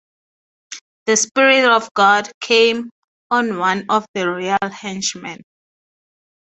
The spirit of God came on one of the royal henchmen.